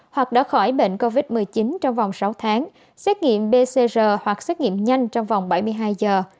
hoặc đã khỏi bệnh covid một mươi chín trong vòng sáu tháng xét nghiệm pcr hoặc xét nghiệm nhanh trong vòng bảy mươi hai giờ